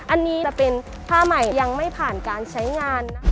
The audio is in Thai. อันนี้จะเป็นผ้าใหม่ยังไม่ผ่านการใช้งานนะคะ